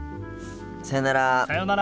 さようなら。